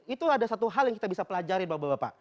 itu ada satu hal yang kita bisa pelajarin bapak bapak